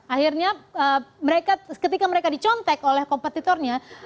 akhirnya ketika mereka dicontek oleh kompetitornya